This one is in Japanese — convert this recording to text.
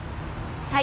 はい。